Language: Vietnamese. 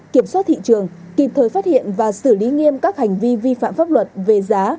kiểm soát thị trường kịp thời phát hiện và xử lý nghiêm các hành vi vi phạm pháp luật về giá